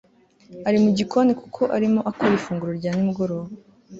ari mu gikoni kuko arimo akora ifunguro rya nimugoroba